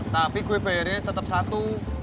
tapi gue bayarinya tetap satu